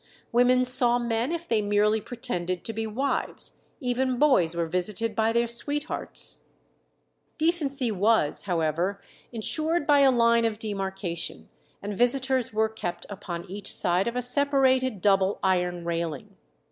Women saw men if they merely pretended to be wives; even boys were visited by their sweethearts. Decency was, however, insured by a line of demarcation, and visitors were kept upon each side of a separated double iron railing.